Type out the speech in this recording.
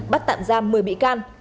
bắt tạm giam một mươi bị can